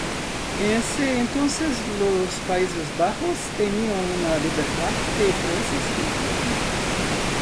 En ese entonces, los Países Bajos tenían una libertad de prensa significativa.